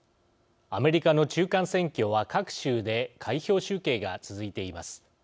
アメリカの中間選挙は各州で開票集計が続いています。